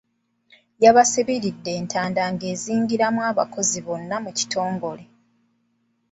Yabasibiridde entanda ng’ezingiramu abakozi bonna mu kitongole.